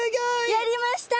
やりました！